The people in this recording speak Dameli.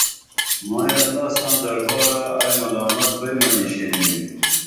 مائی اللہ ساں دربارہ ائی ملامت بئی مہ نِشیں بِم